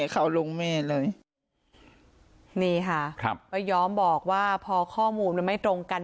เขาลุงแม่เลยนี่ค่ะครับก็ย้อมบอกว่าพอข้อมูลมันไม่ตรงกัน